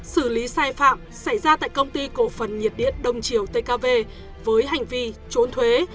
xử lý sai phạm xảy ra tại công ty cổ phần nhiệt điện đông triều tkv với hành vi trốn thuế